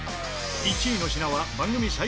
１位の品は番組最高額